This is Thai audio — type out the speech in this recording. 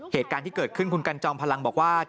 เหตุการณ์ที่เกิดขึ้นคุณกันจอมพลังบอกว่า